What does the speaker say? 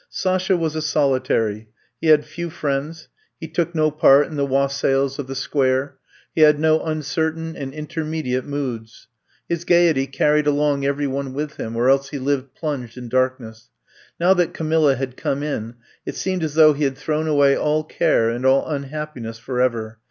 Sasha was a solitary. He had few friends ; he took no part in the wassails of 156 I'VE COMB TO STAY 157 the Square. He had no uncertain and in« termediate moods. His gaiety carried along every one with him, or else he lived plunged in darkness. Now that Camilla had come in, it seemed as though he had thrown away all care and all unhappiness. forever.